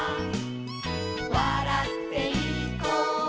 「わらっていこう」